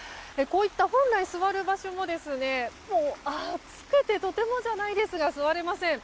こういった本来座る場所も暑くて、とてもじゃないですが座れません。